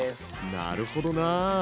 なるほどなあ。